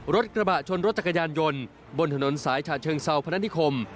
รถกระบะชนรถจักรยานยนต์บนถนนสายฉะเชิงเซาพนักนิคม